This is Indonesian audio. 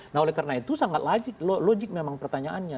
nah oleh karena itu sangat logik memang pertanyaannya